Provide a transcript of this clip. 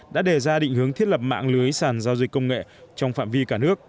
đã đề ra định hướng thiết lập mạng lưới sản giao dịch công nghệ trong phạm vi cả nước